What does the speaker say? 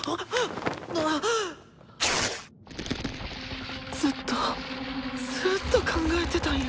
心の声ずっとずっと考えてたんや。